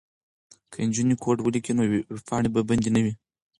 که نجونې کوډ ولیکي نو ویبپاڼې به بندې نه وي.